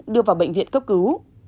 đưa vào bệnh viện cấp cứu